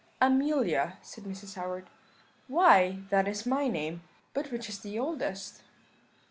"'Amelia,' said Mrs. Howard, 'why, that is my name: but which is the oldest?'